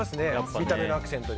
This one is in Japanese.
見た目のアクセントに。